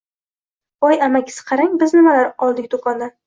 Voy, amakisi, qarang, biz nimalar oldik do`kondan